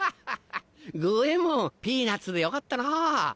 五ェ門ピーナツでよかったな。